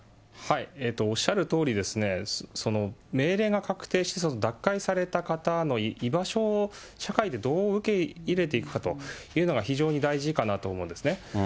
おっしゃるとおりですね、命令が確定して、脱会された方の居場所を社会でどう受け入れていくかというのが非常に大事かなと思うんですね。